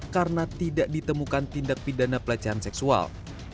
karena tidak ditemukan tindak pidana pelecehan seksual